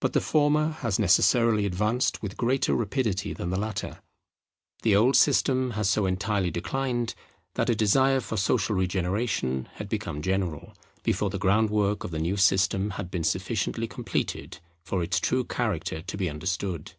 But the former has necessarily advanced with greater rapidity than the latter. The old system had so entirely declined, that a desire for social regeneration had become general, before the groundwork of the new system had been sufficiently completed for its true character to be understood.